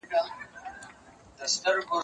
زه مخکي مينه څرګنده کړې وه!؟